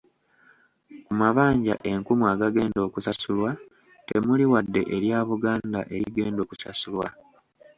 Ku mabanja enkumu agagenda okusasulwa, temuli wadde erya Buganda erigenda okusasulwa.